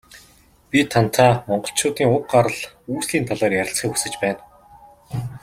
Бид тантай Монголчуудын уг гарал үүслийн талаар ярилцахыг хүсэж байна.